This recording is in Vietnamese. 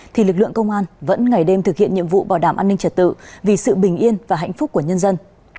thì lực lượng công an vẫn ngày đêm thực hiện nhiệm vụ bảo đảm an ninh trật tự vì sự bình yên và hạnh phúc của nhân dân